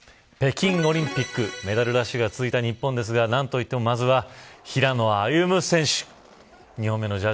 北京オリンピックメダルラッシュが続いた日本ですが何と言ってもまずは平野歩夢選手。